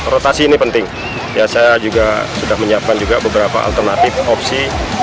rotasi ini penting ya saya juga sudah menyiapkan juga beberapa alternatif opsi